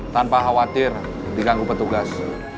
tanpa khawatir diganggu petugas